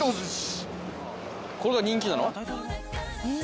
これが人気なの？